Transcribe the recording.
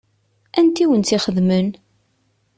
Anta i wen-tt-ixedmen?